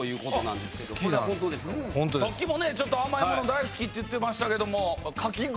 さっきもね甘いもの大好きって言ってましたけどもかき氷！